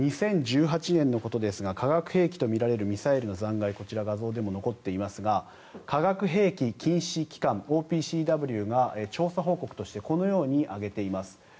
２０１８年のことですが化学兵器とみられるミサイルの残骸こちら、画像でも残っていますが化学兵器禁止機関・ＯＰＣＷが調査報告としてこのように上げています。